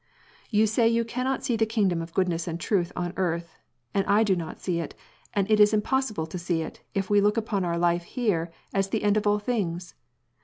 " You say you cannot see the kingdom of goodness and truth on earth. And I do not see it, and it is impossible to see it, if we look upon our life here as the end of all things.